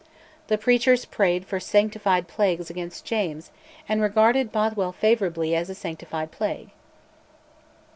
The preachers prayed for "sanctified plagues" against James, and regarded Bothwell favourably as a sanctified plague.